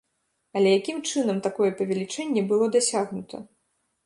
Але якім чынам такое павелічэнне было дасягнута?